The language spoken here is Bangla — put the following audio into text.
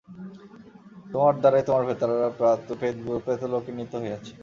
আমার দ্বারাই তোমার ভ্রাতারা প্রেতলোকে নীত হইয়াছে।